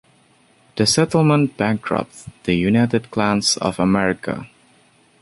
The settlement bankrupted the United Klans of America.